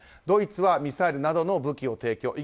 ドイツはミサイルなどの武器を提供